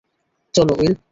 চল, উইল।